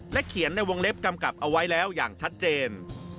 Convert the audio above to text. เขียนในวงเล็บกำกับเอาไว้แล้วอย่างชัดเจน